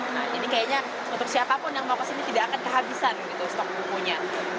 nah jadi kayaknya untuk siapapun yang mau kesini tidak akan kehabisan gitu stok bukunya